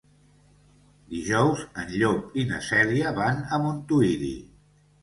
Dijous en Llop i na Cèlia van a Montuïri.